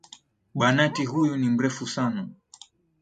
Banati huyu ni mrefu sana.